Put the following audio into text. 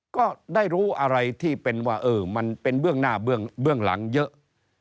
ก็ได้รู้อะไรที่เป็นว่ามันเป็นเบื้องหน้าเบื้องหลังเยอะ